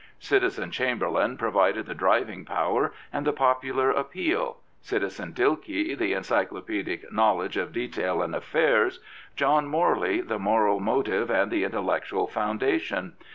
Citizen Chamberlain provided the driving power and the popular appeal, Citizen Dilke the encyclopaedic knowledge of detail and affairs, John Morley the moral motive and the intellectual Wndation.